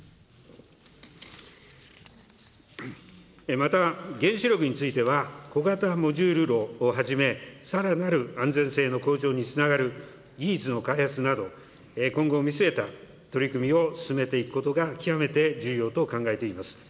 また、原子力については、小型モジュール炉をはじめ、さらなる安全性の向上につながる技術の開発など、今後を見据えた取り組みを進めていくことが極めて重要と考えています。